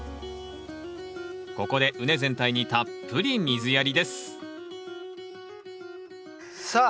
ここで畝全体にたっぷり水やりですさあ